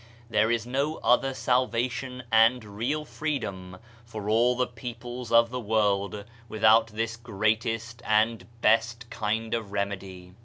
There is no other salvation and real freedom for all the peoples of the world without this greatest and best kind of remedy.